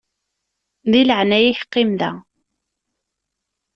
Di leɛnaya-k qqim da.